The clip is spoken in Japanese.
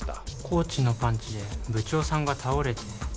コーチのパンチで部長さんが倒れて。